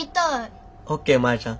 ＯＫマヤちゃん。